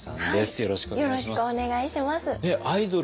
よろしくお願いします。